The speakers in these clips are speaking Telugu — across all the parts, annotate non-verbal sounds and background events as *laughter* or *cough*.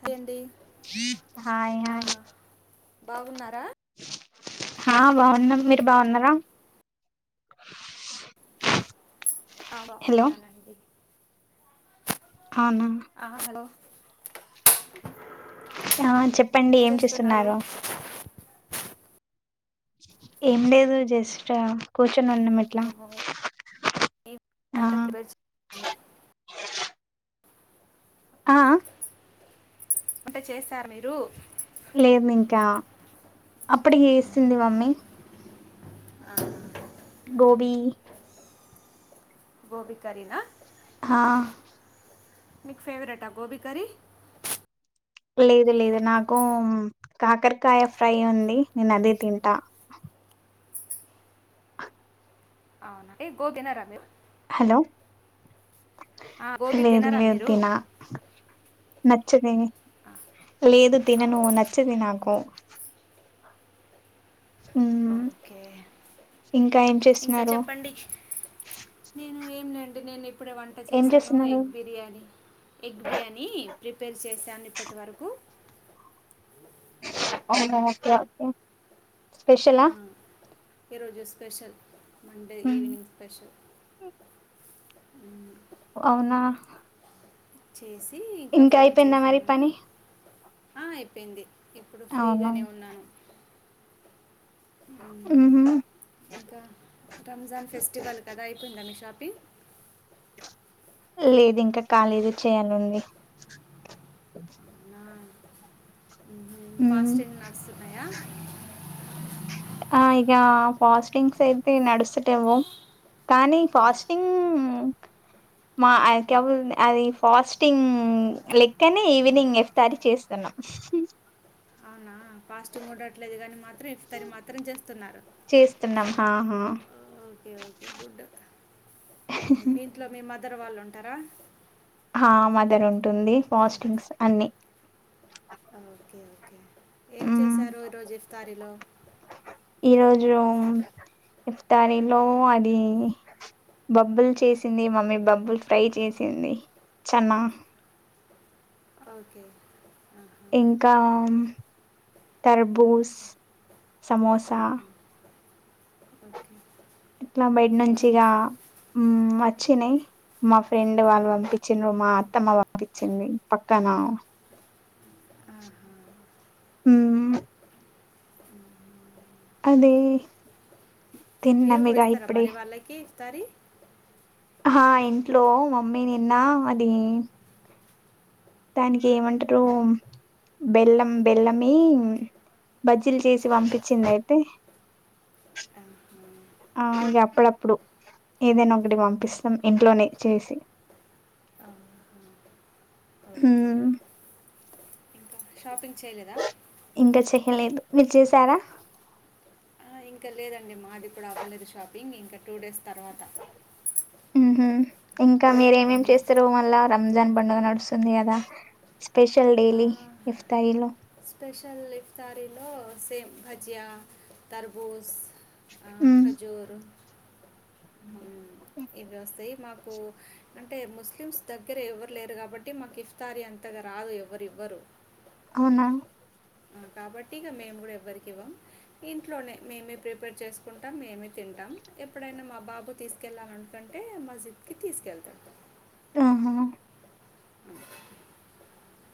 హాయ్ అండి హాయ్ ఆ, హాయ్ బాగున్నారా హా బావున్నాం మీరు రూ బావున్నారా ఆ బావున్నానండి అవునా ఆ హలో ఆ ఓకే చెప్పండి ఏం చేస్తున్నారు ఏం లేదు జస్ట్ కు అన్న మెట్ల మేము ఏ ఆ వంట ప్రిపేర్ చేస్తున్నాను ఆ వంట చేస్తారు మీరు లేదు ఇంకా అప్పుడు చేస్తుంది మమ్మీ ఆ గోబి గోబీ కరీనా హా మీకు ఫేవరెట్ఆ గోబీ కర్రీ లేదు లేదు నాకు కాకరకాయ ఫ్రై ఉంది నేను అదే తింటా అవునండి గో తినరా మీరు హలో ఆ, గోబీ లేదు తినరా లేదు మీరు తిన నచ్చది లేదు తినను అవునా నచ్చది నాకు ఉమ్ ఓకే ఇంకా ఏం ఇంకా చేస్తున్నారు చెప్పండి నేను ఏం లేదండీ నేను ఇప్పుడే వంట ఏం చేశాను చేస్తున్నారు egg biryani egg biryani prepare చేశాను ఇప్పటివరకు అవును ఓకేఓకే స్పెషలా ఆ, ఈరోజు స్పెషల్ మండే ఉమ్ ఈవినింగ్ స్పెషల్ ఉ అవునా చేసి ఇంకా ఫోన్ అయిపోయిందా చేజ్ మరి ద్దామని పని ఆ అయిపోయింది ఇప్పుడు అవును ఫ్రీగానే ఉన్నాను ఇమ్ ఉహు ఇంకా రంజాన్ ఫెస్టివల్ కదా అయిపోయింద మీ షాప్ పి లేదు ఇంకా కాలేదు చేయాలని ఉహూ మ్మ్. పాస్టింగ్ నడుస్తున్నయ ఆ ఇకా పాస్టింగ్స్ అయితే నడుస్తలేవు కానీ ఫాస్టింగ్ మా అక్యం అది ఫాస్టింగ్ లెక్కనే ఈవినింగ్ ఇఫ్తారి చేస్తాను పాస్ట్ంగ్ కూడాట్లేదు కాని మాత్రం ఇఫ్తార్ మాత్రం చేస్తున్నారు. చేస్తున్నాం ఆహా ఓకే ఓకే గుడ్ ఇంట్లో మీ మదర్ వాళ్ళు ఉంటారా మా మదర్ ఉంటుంది ఫాస్టింగ్స్ అన్ని ఓకే ఓకే ఏం మ్మ్. చేశారు ఈరోజు ఇఫ్తారీలో యోమ్ ఇఫ్తారిలో అది బబ్బుల్ చేసింది మమ్మీ బబ్బుల్ ఫ్రై చేసింది చన్నగ ఓకే ఇంకా తర్బూస్ సమోసా ఓకే ఇట్లా బయట నుంచిగా ఉ మచ్ వచ్చినయి మా ఫ్రెండ్ వాళ్ళు పంపించిండ్ర మా అత్తమ్మ పంపించింది పక్కన ఆహా. ఊమ్ అదే మీరు కూడా ఇస్తారా మరి వాళ్ళకి ఇఫ్తారి హా ఇంట్లో మమ్మీ నిన్న అది దానికి ఏమంటరు బెల్లం బెల్లం మే బజ్జీలు చేసి పంపించింద అయితే ఆహా. ఆ ఇగ అప్పుడప్పుడు ఏదైనా ఒకటి పంపిస్తాం ఇంట్లోనే చేసి ఆహా హూ ఓకే ఉ ఇంకా షాపింగ్ చేయలేదా ఇంకా చెయ్యలేదు మీరు చేసారా ఆ, ఇంకా లేదండి మాది ఇప్పుడు అవ్వలేదు షాపింగ్ ఇంకా టూ డేస్ తర్వాత ఉహు ఇంకా మీరేమేమి ఉమ్. చేస్తారు మళ్ళా రంజాన్ పండుగ నడుస్తుంది కదా స్పెషల్ ఆ, డైలీ ఇఫ్తాయిలో స్పెషల్ ఇఫ్తారీలో సేమ్ భజ్జ్యా తరబూజ్ ఆ ఉమ్ ఖజూరు ఇవి వస్తాయి మాకు అంటే ముస్లిమ్స్ దగ్గర ఎవరు లేరు కాబట్టి మాకు ఇఫ్తారీ అం అత్తగా రాదు ఎవ్వరివ్వరు వునా కాబట్టి ఇక మేము కూడా ఎవ్వరికి ఇవ్వం. ఇంట్లోనే మేమే ప్రిపేర్ చేసుకుంటాం. మేమే తింటాం. ఎప్పుడైనా మా బాబు తీసుకెళ్ళాలినుకంటే మస్జిద్ కి తీసుకెళ్తాడు. ఆహా అ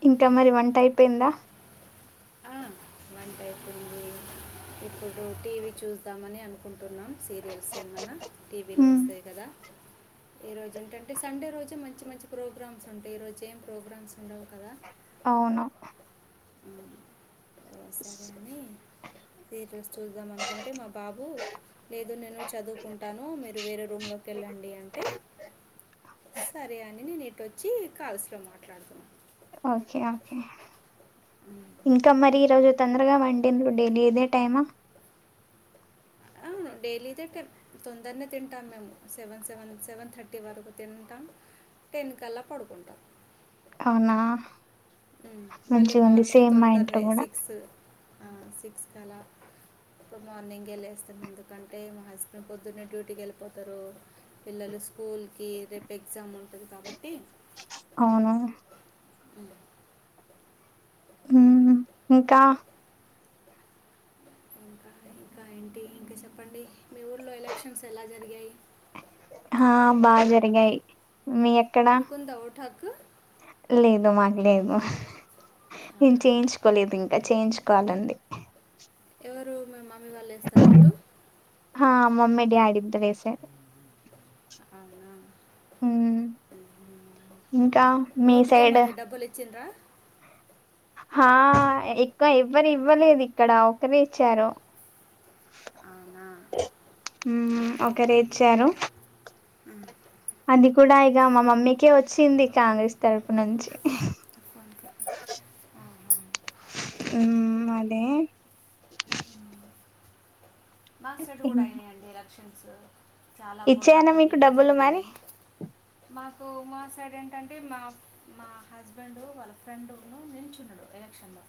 ఇంకా మరి వంట అయిపోయిందా ఆ వంట అయిపోంది ఇప్పుడు టీవీ చూద్దామని అనుకుంట్ టున్నాం సీరియల్స్ ఏమ్ అన్నా టీవీలో ఉమ్ వస్తాయి కదా ఈరోజు ఏంట అంటే సండే రోజు మంచి మంచి ప్రోగ్రామ్స్ ఉంటాయి ఈరోజు ఏం ప్రోగ్రామ్స్ ఉండవు కదా అవును ఓ సరే అని ఏ డ్రస్ చూద్దాం అనుకుంటే మా బాబు లేదు నేను చదువుకుంటాను మీరు వేరే రూమ్ లో అక్కళే అండి అంటే *unintelligible* సరే అండి నేను ఇటుొచ్చి కాల్స్లో మాట్లాడుతా ఓకే ఓకే ఇంకా మరి ఈరోజు తొందరగా వండింది డైలీ ఇదే టైమ్ అవును డైలీ ఇదే టైం తొందరనే తింటాం మేము సెవెన్ సెవెన్ సెవెన్ థర్టీ వరకు తింటామ్ టెన్ కల్లా పడుకుంటామ్ అవునా మళ్ళీ మంచిగా ఉంది మార్నింగ్ సేమ్ మా తొందర్ ఇంట్లో నే కూడా సిక్స్ అ సిక్స్ కలా ఎప్పుడు మార్నింగే ఏ లేస్తాం ఎందుకంటే మా హస్బెండ్ పొద్దున్నే డ్యూటీకి ఎళ్ళిపోతారు పిల్లలు స్కూల్కి రేపు ఎగ్జామ్ ఉంటుంది కాబట్టి అవును హ్మ్ ఉహ్మ్ ఇకా ఇంకా ఇంకా ఏంటి ఇంకా చెప్పండి మీ ఊళ్లో ఎలక్షన్స్ ఎలా జరిగాయి హ బాగా జరిగాయి మీ ఎక్కడా మీకుందా ఓటు హక్కు లేదు మాకు లేదు నేను చేయించుకోలేదు ఇంకా చేయించుకోవాల అండి ఎవరు మీ మమ్మీ వాళ్ళు వేస్తారా ఓటు హా మమ్మీ డాడీ ఇద్దరేశారు అవునా హ్మ్ ఓటుకో మరి డబ్బులు ఇచ్చిండ్రా హ ఎక్కువ ఇవ్వరు ఇవ్వలేదు ఇక్కడ ఒక్కరే ఇచ్చారు అవునా హ్మ్ ఒక్కరే ఇచ్చారు హ్మ్ అంది కూడా ఇక మా మమ్మీకే వచ్ *unintelligible* హ్మ్ ఓకే అదే మా సైడ్ కూడా అయినాయ అండి ఎలక్షన్స్ చాలా ఇచ్చేయనా మీకు పోటాపోటీగా డబ్బులు మరి జరిగినాయి మాకు మా సైడ్ ఏంటంటే మా మా హస్బెండు వాళ్ళ ఫ్రెండును నిల్చు ఉన్నాడు ఎలక్షన్ లో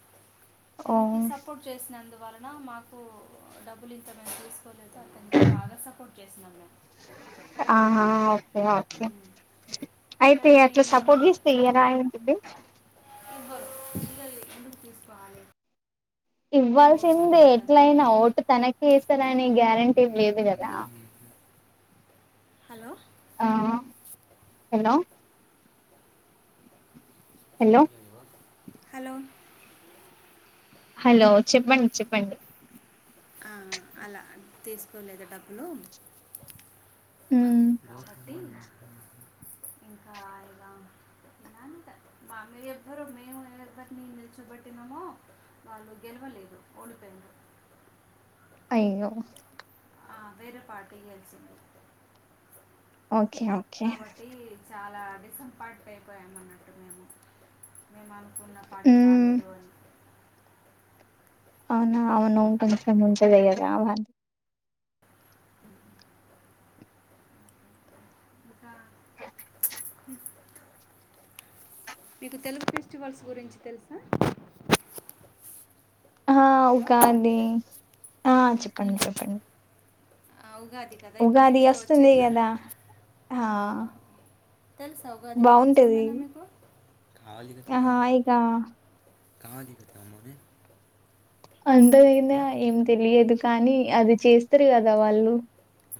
ఓ తనకి సపోర్ట్ చేసినందువలన మాకు డబ్బులు ఇంత మేము చేసు కోలేదు అతనికి బాగా సపోర్ట్ చేసినాం మేమ్ ఓ *inaudible* అయితే కానీ ఎట్ల సపోర్ట్ మేము చేస్తే ఇయ్యరా ఏంటిద్ది ఇవ్వరు ఇగ ఎందుకు తీసుకోవాలి క్లోజ్ ఇవ్వాల్సిందే ఫ్రెండ్ ఎట్ల కదా అయినా అని ఓటు తనకే ఏస్తారనే గ్యారెంటీ ఏం లేదు కదా అలా హలో ఆ హలో హలో హలో హలో చెప్పండి చెప్పండి ఆ అలా తీసుకోలేద డబ్బులు మ్మ్ *unintelligible* ఒకటి ఇంకా ఐరా మా అన్నయ్య చెప్యారో మేము ఎవరినైతే నిల్చబెట్టినమో వాళ్లు గెలువ లేదు ఓడిపోయిండ్రు అయ్యో ఆ వేరే పార్టీ గెలిచింది ఓకే ఓకే కాబట్టి చాలా డిసంపార్ట్ అయిపోయమన్నట్టు మేము మేము అనుకున్న పార్టీ హ్మ్ రాలేదు అని అవునా అవును ఉంటుంది సే ముంచే దేకదా అంటే ఇంకా ఉమ్ మీకు తెలుగు ఫెస్టివల్స్ గురించి తెలుసా ఆ హలో ఉగాది ఆ చెప్పండి చెప్పండి ఆ, ఉగాది కదా ఇప్పుడు ఉగాది నెక్స్ట్ వస్తుంది వచ్చేది కదా ఆ తెలుసావుగాది గురించి ఏమైనా మీకు అహా ఇక కాదిక తమోనే అంత అైందా ఏం తెలియదు కానీ అది చేస్తారు కదా వాళ్ళు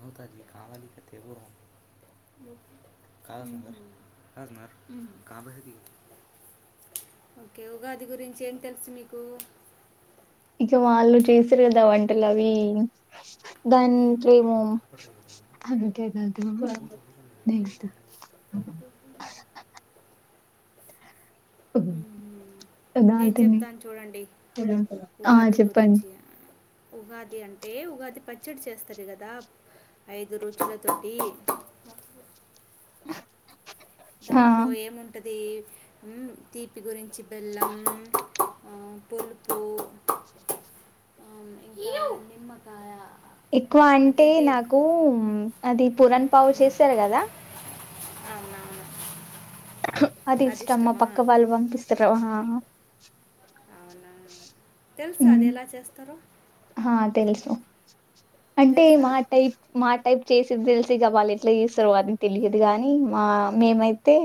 అవుతాది లే కావాలికితేవో రా *unintelligible* కాబట్టి ఓకే ఉగాది గురించి ఏం తెలుసు మీకు ఇంక వాళ్ళు చేస్తరు కదా వంటలు అవి దనికేమో కాపాడలేదు అందుకే *unintelligible* *unintelligible* అఓహ మ్మ్. నేను చెప్తాను చూడండి ఆ ఉగాది చెప్పండి గురించి ఉగాది అంటే ఉగాది పచ్చడి చేస్తారు కదా ఐదు రుచులతోటి ఆ దాంట్లో ఏమిఉంటది ఉమ్ తీపి గురించి బెల్లం ఆ, ఆమ్ ఇకా నిమ్మకాయ ఎక్కువ అంటే అదేంటి నాకు అది పురన్ పావు చేస్తరు కదా అవునావును ఉహూ అది ఇష్టమ్ మాపక్క వాళ్ళు పంపిస్తారు ఆ అవునా తెలుసా అది హ్మ్ ఎలా చేస్తారో ఆ తెలుసు అంటే మా తెలుసా టైప్ మా టైప్ చేసిది తెలిసి ఇగ వాళ్ళు ఎట్లా చేస్తారు అవి తెలియదు గానీ ఆ మేమైతే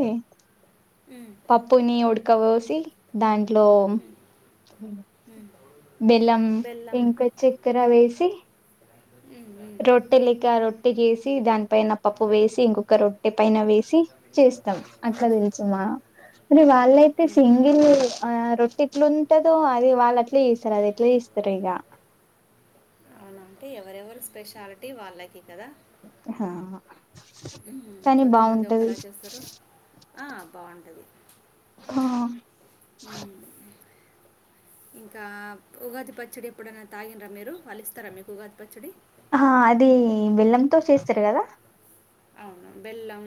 ఉమ్, పప్పుని ఉడకపోసి దాంట్లో ఉమ్, ఉమ్. బెల్లం బెల్లం ఇంక చేక్కర వేసి ఉమ్, ఉమ్. ఉమ్. రొట్టెలికా రొట్టె చేసి దానిపైన పప్పు వేసి ఇంకొక రొట్టె పైన వేస్ సి చేస్తాం అక్క తెలుసుమా మల్ వాళ్ళయితే ఉమ్. సింగిల్ ఆ రొట్టిట్లో ట్టదు అది వాళ్ళు అట్లా చేస్తారు అది ఎట్లా చేస్తారు ఇక అవునా అంటే ఎవరెవరు స్పెషాలిటీ వాళ్ళకి కదా హా కొంతమంది ఒకేలా చేస్తారు ఆ బాగుంటది ఆ ఉ ఇంకా ఉగాది పచ్చడి ఎప్పుడైనా తగిన్రా మీరు వాళ్లు ఇస్తారా మీకు ఉగాది పచ్చడి ఆహా అది బేల్లంతో చేస్తారు కదా అవును బెల్లం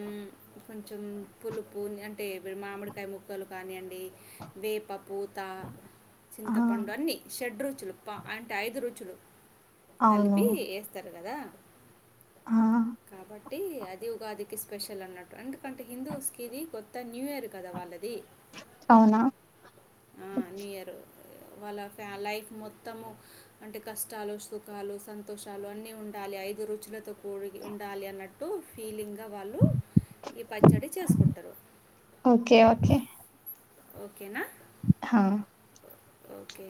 కొంచెం పులుపు అంటే వీరు మామిడికాయ ముక్కలు కానీయ అండి వేపు ప పూత ఆ చింతపండు అన్నీ షెడ్ రుచులు ప అంటే ఐదు రుచులు అవును కలిపి ఏస్తారు కదా ఆ కాబ ట్టి అది ఉగాదికి స్పెషల్ అన్నట్టు ఎందుకంటే హిందూస్ కిది కొత్త న్యూయర్ కదా వాళ్ళది అవునా ఆ న్యూయారు వాళ్ళ ఫ్యా లైఫ్ మొత్తము అంటే కష్టాలు సుఖాలు సంతోషాలు అన్ని ఉండాలి ఐదు రుచులతో కూడి ఉండాలి అన్నట్టు ఫీలింగ్ గ వాళ్ళు ఈ పచ్చడి చేసుకుంటారు ఓకే ఓకే ఓకేనా హా ఓకే